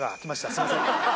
すいません